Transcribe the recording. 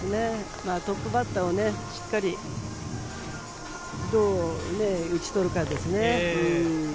トップバッターをどうをしっかり打ち取るかですよね。